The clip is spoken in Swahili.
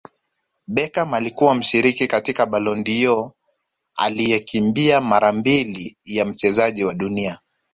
Beckham alikuwa mshiriki katika Ballon dOr aliyekimbia mara mbili ya Mchezaji wa Dunia